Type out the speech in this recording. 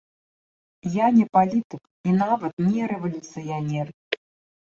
Я не палітык і нават не рэвалюцыянер.